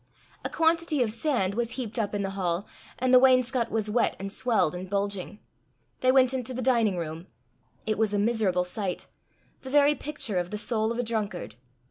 A quantity of sand was heaped up in the hall, and the wainscot was wet and swelled and bulging. They went into the dining room. It was a miserable sight the very picture of the soul of a drunkard.